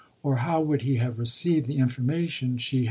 — or how would he have received the information she ()'2 LODORE.